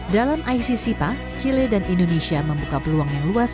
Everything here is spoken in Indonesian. dalam icsipa chile dan indonesia membuka peluang yang luas